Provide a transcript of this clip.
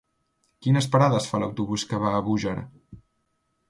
Quines parades fa l'autobús que va a Búger?